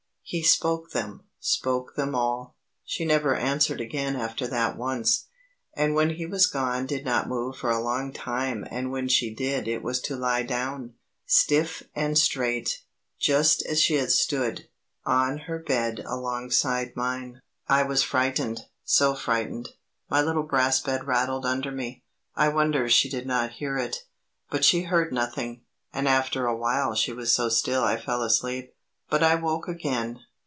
He spoke them spoke them all; she never answered again after that once, and when he was gone did not move for a long time and when she did it was to lie down, stiff and straight, just as she had stood, on her bed alongside mine. I was frightened; so frightened, my little brass bed rattled under me. I wonder she did not hear it. But she heard nothing; and after awhile she was so still I fell asleep. But I woke again.